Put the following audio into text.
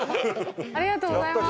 ありがとうございます。